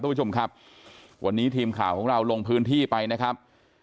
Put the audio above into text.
คุณผู้ชมครับวันนี้ทีมข่าวของเราลงพื้นที่ไปนะครับ